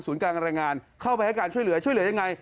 การรายงานเข้าไปให้การช่วยเหลือช่วยเหลือยังไง